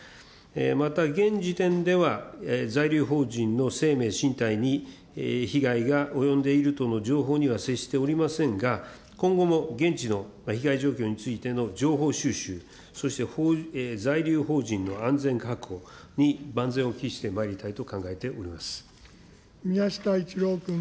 また、現時点では、在留邦人の生命、身体に被害が及んでいるとの情報には接しておりませんが、今後も現地の被害状況についての情報収集、そして在留邦人の安全確保に万全を期してまいりたいと考えており宮下一郎君。